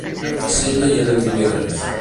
A Sella hi anem dimecres.